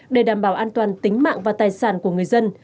để đảm bảo an toàn tính mạng và tài sản của người dân